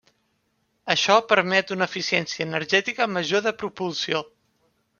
Això permet una eficiència energètica major de propulsió.